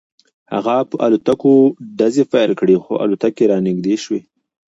هغه په الوتکو ډزې پیل کړې خو الوتکې رانږدې شوې